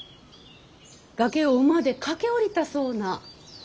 崖を馬で駆け下りたそうな。